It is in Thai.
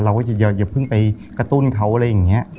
เราก็จะอย่าพึ่งไปกระตุ้นเขาอะไรอย่างนี้